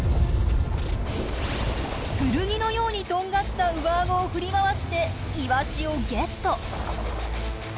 剣のようにとんがった上アゴを振り回してイワシをゲット！